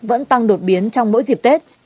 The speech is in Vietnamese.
vẫn tăng đột biến trong mỗi dịp tết